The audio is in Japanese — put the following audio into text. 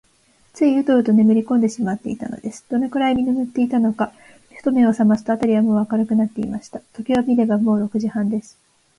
ついウトウトねむりこんでしまったのです。どのくらいねむったのか、ふと目をさますと、あたりはもう明るくなっていました。時計を見れば、もう六時半です。